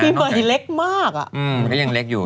พี่ใหม่เล็กมากอ่ะอืมก็ยังเล็กอยู่